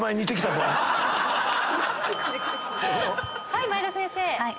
はい前田先生。